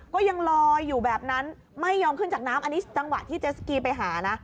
ก็ยังลอยอยู่แบบนั้นไม่ยอมขึ้นจากน้ำอันนี้จังหวะที่เจสกีไปหานะ